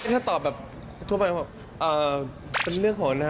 ถ้าตอบแบบทั่วไปเป็นเรื่องของนะฮะ